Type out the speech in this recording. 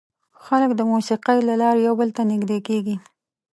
خلک د موسیقۍ له لارې یو بل ته نږدې کېږي.